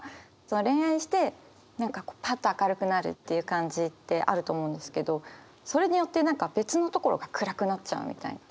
恋愛してパッと明るくなるっていう感じってあると思うんですけどそれによって別のところが暗くなっちゃうみたいな。